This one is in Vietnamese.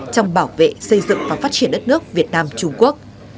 trong bảo vệ xây dựng và phát triển đất nước việt nam trung quốc